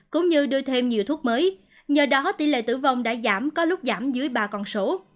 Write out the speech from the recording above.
cũng như đưa thêm nhiều thuốc mới nhờ đó tỷ lệ tử vong đã giảm có lúc giảm dưới ba con số